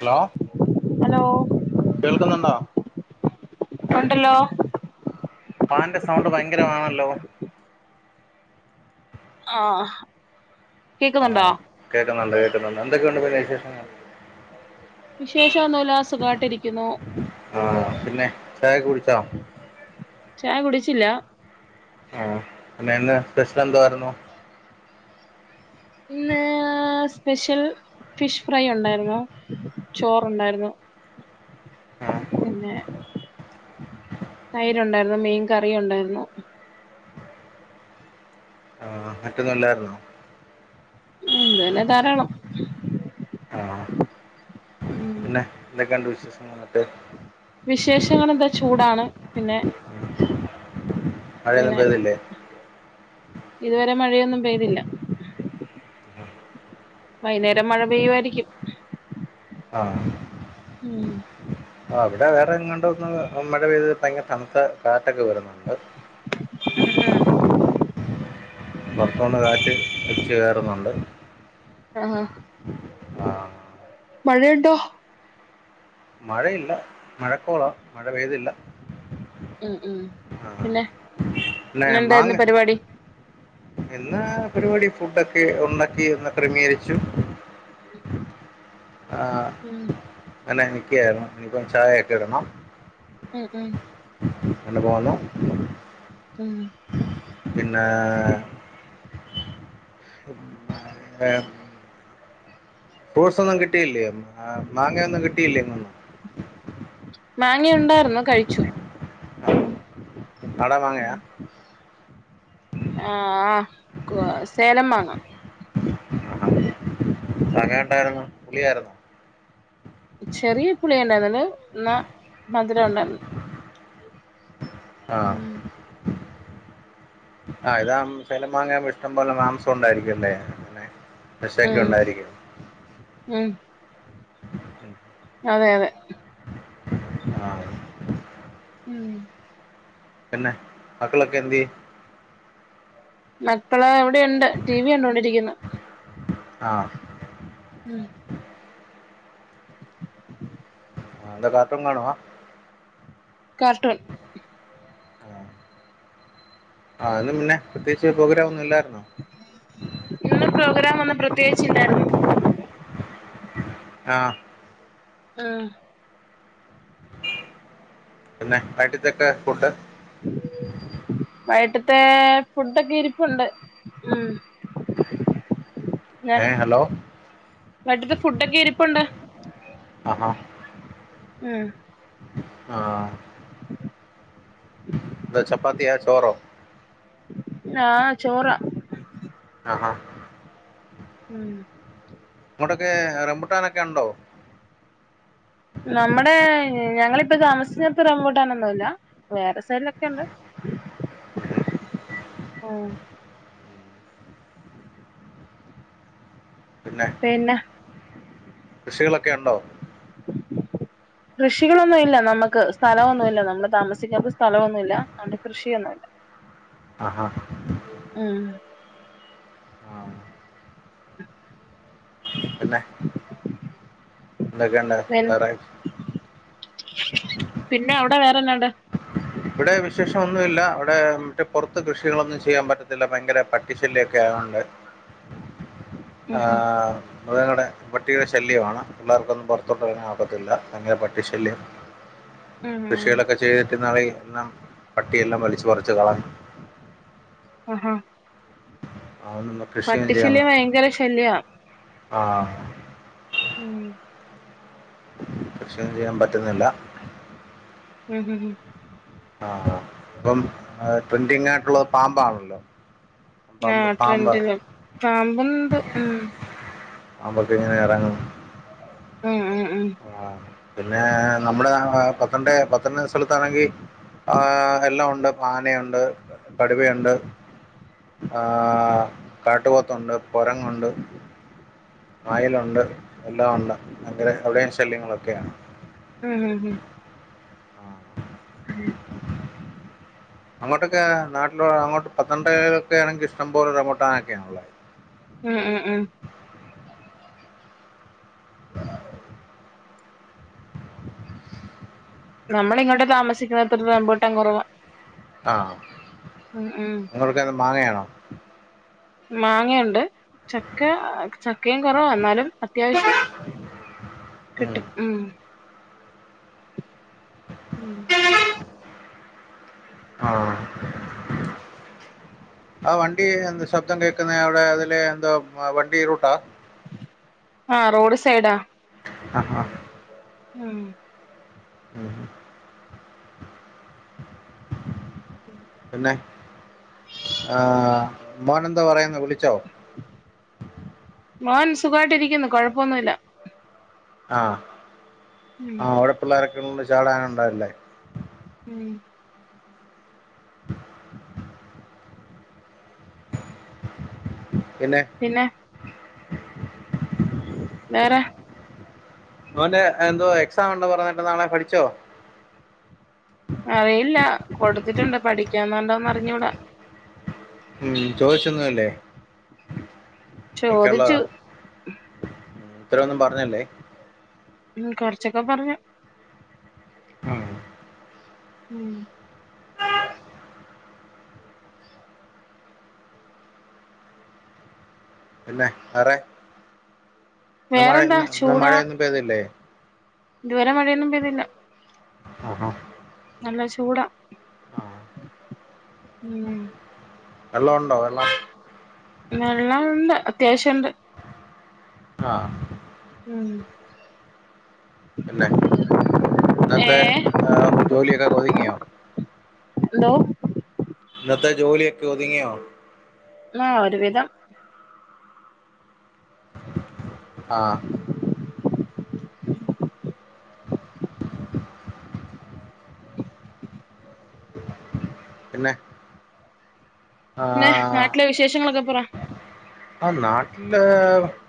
Hello hello കേൾക്കുന്നുണ്ടോ ഉണ്ടല്ലോ ഫാന്റെ സൗണ്ട് ഭയങ്കരമാണല്ലോ ആഹ് കേക്കുന്നുണ്ടോ ആഹ് കേക്കുന്നുണ്ട് കേക്കുന്നുണ്ട് എന്തൊക്കെയുണ്ട് പിന്നെ വിശേഷങ്ങള് വിശേഷൊന്നുല്ല സുഖായിട്ടിരിക്കുന്നു ആഹ് പിന്നെ ചായ കുടിച്ചോ ചായ കുടിച്ചില്ല ആഹ് പിന്നെ ഇന്ന് സ്പെഷ്യൽ എന്തോ ആരുന്നു? ഇന്ന് സ് സ്പെഷ്യൽ ഫിഷ് ഫ്രൈ ഉണ്ടായിരുന്നു ചോറുണ്ടായിരുന്നു ആഹ് പിന്നെ തൈരുണ്ടായിരുന്നു മീൻ കറിയുണ്ടായിരുന്നു മറ്റൊന്നു ഇല്ലായിരുന്നോ ഉം ഇതന്നെ ധാരാളം ആഹ് ഉം പിന്നെ എന്തൊക്കെയുണ്ട് വിശേഷങ്ങളൊക്കെ വിശേഷങ്ങളെന്താ ചൂടാണ് പിന്നെ മഴയൊന്നും ഇങ്ങനെ പെയ്തില്ലേ ഇതുവരെ മഴയൊന്നും പെയ്തില്ല വൈന്നേരം മഴ പെയ്യുവായിരിക്കും ആഹ് ഉം ആഹ് അവിടെ വേറെ എങ്ങാണ്ടൊ ഒന്ന് മഴ പെയ്ത് ഭയങ്കര തണുത്ത കാറ്റൊക്കെ വരുന്നുണ്ട്. മ് മ്. പൊറത്തൂന്ന് കാറ്റ് വെച്ച് കേറുന്നുണ്ട്. ആഹ ആഹ് മഴയുണ്ടോ? മഴയില്ല മഴക്കോളാ മഴ പെയ്തില്ല. ഉം ഉം പിന്നെ ന്നെ ഇന്നെന്തായിരുന്നു മാങ് പരിപാടി എന്നാ പരിപാടി ഫുഡ് ഒക്കെ ഉണ്ടാക്കി ഒന്ന് ക്രമീകരിച്ചു. ആഹ ഉം എന്നെ നിക്കായിരുന്നു ഇനിപ്പ ചായക്കെ ഇടണം. ഉം ഉം ങ്ങനെപോവുന്നു. ഉം പിന്നെ.. [unintelligible] അഹ് ഫ്രൂട്ട്സ് ഒന്നും കിട്ടിയില്ലേ ഹെ മാങ്ങയൊന്നും കിട്ടയില്ലേ ഇങ്ങൊന്നും? മാങ്ങയുണ്ടായിരുന്നു കഴിച്ചു. നാട മാങ്ങയാ? ആഹ ആ് കുസേലമാങ്ങ. സമയണ്ടായിരുന്നു പൊളിയായിുന്നോ? ചെറിയ പുളിയ ഉണ്ടായിരുന്നല് എന്ന മധുരം ഉണ്ടായിരുന്നു. ആഹ ആഹ് ഇതാ ചെലം മാാങ്ങയാമ്പോ ഇഷ്ടം പോലെ മാംസം ഉണ്ടായിരിക്കുംല്ലേെ? മശൊക്കെ ഉം ഉണ്ടായിരിക്കും. ഉം അതെ അതെ ആഹ ഉം പിന്നെ മക്കളൊക്കെ എന്തിയെ? മക്കള വിടെയുണ്ട് ടി വി ക ണ്ടോണ്ടിരിക്കുന്ന്. ആ ഉം. ന്താ കാർട്ടുണ് കാണവാ? കാർട്ടൂൺ ആ ആ ന്താ പിന്നെ പ്രത്യേകിച്ച് പ്രോഗ്രമ ന്നുംല്ലായിരുന്നോ? ഇന്ന് പ്രോഗ്രാന്നും പ്രത്യേകിച്ചണ്ടായി. ആഹ ആഹ പിന്നെ [unintelligible] ത്തൊക്കെ ഫുട്ട്? ഉ വൈട്ടത്തെ ഫുഡൊക്കെ ഇരിപ്പുണ്ട് ഉ.. ന്നെ ഏ ഹലോ വൈട്ടത്തെ ഫുഡൊക്കെ ഇരിപ്പണ്ട്. ആഹോ ഉം ആഹ് ന്താ ചപ്പാത്തിയ്യാ ചോറോ? ആഹ് ചോറാ. ആഹ് ആഹ് ഉം അങ്ങോട്ടൊക്കെ റേബുട്ടാനൊക്കെ ണ്ടോ? നമ്മടെ ഞങ്ങളിപ്പം താമസിക്കടത്ത് റെബുട്ടാൻ ഒന്നും ഇല്ലാ വേറെ സൈടിലെക്കേ ഒണ്ട് ഉം. ആഹ്. പിന്നെ. കൃഷികള്ക്കെ ഒണ്ടോ? കൃഷികളൊന്നും ഇല്ല നമ്മക്ക് സ്ഥലോന്നും ഇല്ല നമ്മള് താമിക്ക്ന്നാടത്ത് സ്ഥലോന്നും ഇല്ലാ അത് കൊണ്ട് കൃഷിയൊന്നും ഇല്ലാ. ആഹ് ആഹ്. ഉം ആഹ് പിന്നെ എന്തൊക്കെണ്ട് പി വേറെ പിന്നെ അവ്ടെ വേറെന്നാ ഒണ്ട് ഇവടെ വിശേഷം ഒന്നും ഇല്ല ഇവടെ മറ്റേ പൊറത്ത് കൃഷികളൊന്നും ചെയ്യാൻ പറ്റത്തില്ലാ ബയങ്കര പട്ടി ശല്യാക്കെ ആയൊണ്ട് ഉം ആഹ് വ്ടെ [unintelligible] പട്ടിടെ ശല്യമാണ് പിള്ളേർക്കൊന്നും പൊറത്തോട്ട് എറങ്ങാൻ ഒക്കത്തില്ലാ. ഭയങ്കര പട്ടിശല്യം ഉം ഉം കൃഷികളൊക്കെ ചെയ്ത് ക്ക് ന്നാ ണേൽ എല്ലം പട്ടിയെല്ലാം വലിച്ച് പറിച്ച് കളാ ആഹ് ഹാ അഹ് ഒന്നും കൃഷി യൊന്നു ചെയ്യാ പട്ടിശല്യം ഭയങ്കര ശല്യ [unintelligible] ആഹ് ഉം കൃഷിയൊന്നും ചെയ്യാൻ പറ്റ്ന്നില്ലാ ഉം ഉം ഉം ആഹ് ആഹ് ഇപ്പം ട്രിൻറിങ് ആയ്ട്ടൊള്ളത് പാമ്പാണല്ലോ പാമ്പ് ആഹ് പാമ്പ് ട്രെൻഡില് പാമ്പുംണ്ട് ഉം പാമ്പൊക്കെ ഇങ്ങനെ എറങ്ങും ഉം ഉം ഉം ആഹ് പിന്നെ നമ്മള് [unintelligible] സ്ഥലത്താണെങ്കി ആഹ് എല്ലാം ഒണ്ട് ആനയൊണ്ട് കടുവയുണ്ട് ആഹ് കാട്ട് പോത്തൊണ്ട് കൊരങ്ങ് ഒണ്ട് ആയലൊണ്ട് എല്ലാം ഒണ്ട് അങ്ങനേ അവടെയും ശല്യങ്ങളൊക്കെയാണ് ഉം ഉം ഉം [unintelligible] അങ്ങോട്ടൊക്കെ നാട്ടില് അങ്ങോട്ട് പത്തനംട്ടേ ആണെങ്കി ഇഷ്ടം പോലെ റേബൂട്ടാനൊക്കെയാഉള്ളെ ഉം ഉം ഉം [inaudible] നമ്മള് ഇങ്ങോട്ട് താമസിക്കുന്നേടാത്ത് റെബുട്ടാൻ കൊറവാ ആഹ് ഉം അങ്ങോട്ടൊക്കെ എന്നാ മാങ്ങയാണോ മാങ്ങയൊണ്ട് ചക്ക ചക്കയും കൊറവാ എന്നാലും അത്യാവിശ്യം കിട്ടും ഉം ഉം ആഹ് ആഹ് വണ്ടി എന്താ ശബ്ദം കേക്ക്ന്നേ അവടെ അതിലേ എന്തോ വ വണ്ടി റുട്ടാ ആഹ് റോഡ് സൈഡാ ആഹ് ആഹ് ഉം ഉം ഉം പിന്നെ ആഹ് മോന് എന്തോ പറയ്ന്ന് വിളിച്ചോ മോൻ സുഖായിട്ട് ഇരിക്ക്ന്ന് കൊഴപ്പൊന്നും ഇല്ലാ ആഹ് ഉം അവ്ടെ പിള്ളോരൊക്കെ ഉണ്ട് ചാടാന് ഉണ്ടല്ലേ ഉം [inaudible] പിന്നെ പിന്നെ [inaudible] വേറെ മോന്റെ എന്തോ എക്സാം ഉണ്ടോ പറഞ്ഞിട്ട് നാളെ പഠിച്ചോ അറിയില്ല കൊടുത്തിട്ടുണ്ട് പഠിക്ക്ന്ന്ണ്ടോന്ന് അറിഞ്ഞൂട ഉം ചോദിച്ചൊന്നു ഇല്ലേ എപ്പെക്ക്ള്ളതാ ചോദിച്ചു ഉം ഉത്തരം ഒന്നും പറഞ്ഞ്ല്ലേ ഉം കൊറച്ചൊക്കെ പറഞ്ഞു ഉം ഉം പിന്നെ വേറെ ഇന്ന് മഴ വേറെന്താ ഇന്ന് ചൂടാ മഴയൊന്നും പെയ്തില്ലേ ഇതുവരെ മഴയൊന്നും പെയ്തില്ല ആഹാ നല്ല ചൂടാ ആഹ് ഉം വെള്ളം ഒണ്ടോ വെള്ളം വെള്ളം ഉണ്ട് അത്യാവശ്യണ്ട് ആഹ് ഉം പിന്നെ ഏ ഇന്നത്തെ ഏഹ് ജോലിയൊക്കെ ഒതുങ്ങിയോ എന്തോ ഇന്നത്തെ ജോലിയൊക്കെ ഒതുങ്ങിയോ ആഹ് ഒരുവിധം ആഹ് പിന്നെ പിന്നെ ആഹ് നാട്ടിലെ വിശേഷങ്ങളൊക്കെ പറാ ആഹ് നാട്ടില്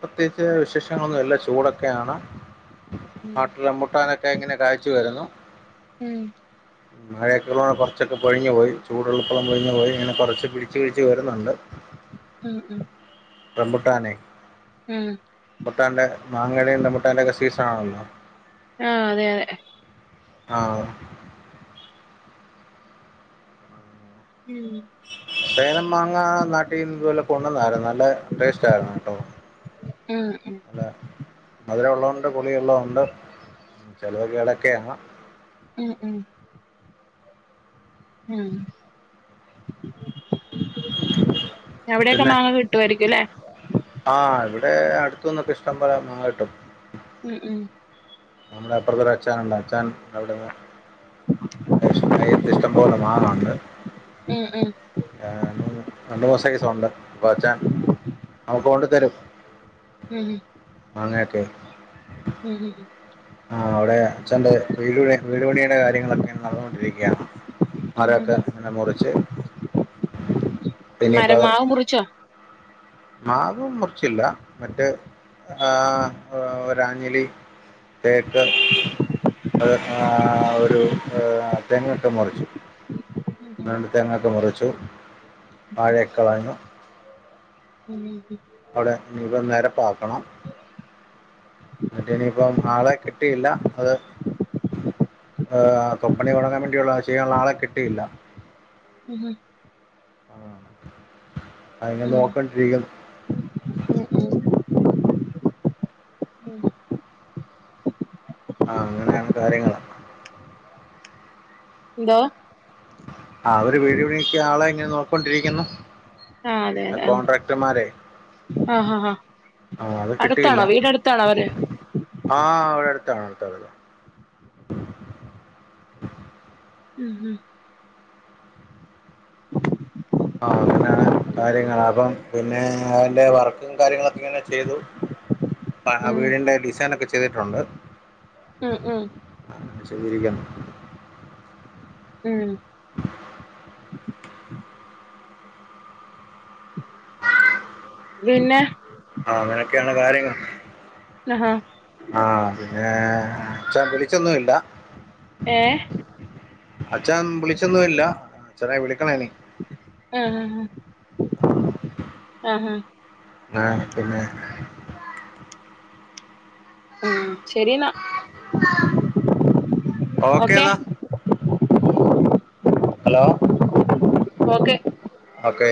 പ്രത്യേകിച്ച് വിശേഷങ്ങളൊന്നുമില്ല ചൂടൊക്കെയാണ് ഉം നാട്ടില് റംമ്പൂട്ടാനൊക്കെ ഇങ്ങനെ കായിച്ചു വരുന്നു ഉം ഉം മഴേക്കേള്ളാണ്ട് കൊറച്ചൊക്കെ പൊഴിഞ്ഞു പോയി ചൂടുള്ളപ്പളും പൊഴിഞ്ഞ് പോയി ഇങ്ങനെ കുറച്ച് പിടിച്ച് പിടിച്ച് വരുന്നുണ്ട് ഉം ഉം റംമ്പുട്ടാനെ ഉം റംമ്പുട്ടാന്റെ മാങ്ങേടേം റംമ്പൂട്ടാൻ്റെം ഒക്കെ സീസൺ ആണല്ലോ ആഹ് അതെ അതെ ആഹ് ഉം സേലം മാങ്ങാ നാട്ടീന്ന് ഇതുപോലെ കൊണ്ടുവന്നായിരുന്നു നല്ല ടേസ്റ്റ് ആയിരുന്നു കേട്ടോ ഉം ഉം നല്ല മധുരം ഒള്ളതുണ്ട് പുളി ഒള്ളതുണ്ട് ചിലതൊക്കെ ഇടക്കെയാണ് ഉം ഉം ഉ അവിടെക്കെ മാങ്ങ കിട്ട് കിട്ടുവായിരിക്കും ല്ലേ ആഹ് ഇവിടെ അടുത്തൂന്നൊക്കെ ഇഷ്ട്ടം പോലെ മാങ്ങ കിട്ടും ഉം ഉം നമ്മളെ അപ്പറത്തൊരു അച്ചായൻ ഇണ്ട് അച്ചായൻ അവിടെന്ന് [unintelligible] ഇഷ്ട്ടം പോലെ മാവൊണ്ട് ഉം ഉം ഞാന് രണ്ടു മാസത്തേക്ക് [unintelligible] അപ്പ അച്ചാൻ [unintelligible] കൊണ്ട് തരും ഉം ഉം മാങ്ങയൊക്കെ ഉം ഉം ആഹ് അവിടെ അച്ഛന്റെ വീട് വീട് പണിയുടെ കാര്യങ്ങളൊക്കെ നടന്നോണ്ടിരിക്കുകയാണ് മരൊക്കെ ഇങ്ങനെ മുറിച്ച് ഇനിപ്പ മരം മാവ് മുറിച്ചോ മാവും മുറിച്ചില്ല മറ്റേ ആഹ് ഒരാഞലി തേക്ക് അത് ഒരു എഹ് തെങ്ങൊക്കെ മുറിച്ചു രണ്ട് തേങ്ങോക്കെ മുറിച്ചു താഴയൊക്കെ [unintelligible] ഉം അവിടെ നിലം നേരപ്പാക്കണം എന്നിട്ട് ഇനിയിപ്പ ആളെ കിട്ടിയില്ല അത് കമ്പനി തോടങ്ങാൻ വേണ്ടിയുള്ള ചെയ്യാനുള്ള ആളെ കിട്ടിയില്ല ഹ്മ്മ് ആഹ് അയ്നെ നോക്കണ്ടിരിക്കുന്നു ആഹ് അങ്ങനെയാണ് കാര്യങ്ങള് എന്താ ആഅവര് വീടി [unintelligible] ആളെ ങ്ങനെ നോക്കോണ്ടിരിക്കുന്നു ആഹ് അതെ അതെ ആഹ് ആഹ് ആഹ് ആ ആ അത് അടുത്താണോ വീട് അടുത്താണോ അവര് ആഹ് അവിടെ അടുത്താ ത്ത ഉം ഉം ആഹ് അങ്ങനെയാണ് കാര്യങ്ങ പ്പം പിന്നെ [unintelligible] വർ കാര്യങ്ങളൊക്കെ ഇങ്ങനെ ചെയ്തു ഉം വീടിന്റെ ഡിസൈൻ ഒക്കെ ചെയ്തിട്ടുണ്ട് ഉം ഉം [unintelligible] ഉം [inaudible] പിന്നെ ആഹ് അങ്ങനെയൊക്കെയാണ് കാര്യങ്ങൾ ആഹാ ആഹ് പിന്നെ ച്ച വിളിച്ചോന്നും ഇല്ല ഏഹ് അച്ഛൻ വിളിച്ചോന്നുംല്ല അച്ഛന വിളിക്കണേന് ആഹ ആഹ് ആഹാ ന്ന പിന്നെ ഉം ശരി ന്നാ ഓക്കെ ഹലോ ഓക്കെ ഓക്കെ